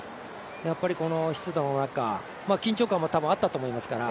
やっぱり、この湿度の中、多分緊張感もあったと思いますから。